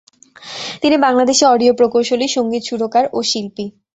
তিনি বাংলাদেশী অডিও প্রকৌশলী, সংগীত সুরকার ও শিল্পী।